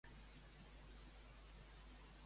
Què ha desconcertat a en Melrosada?